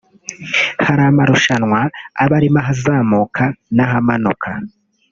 hari marushanwa aba arimo ahazamuka n’ahamanuka